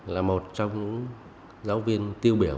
là một trong những giáo viên tiêu biểu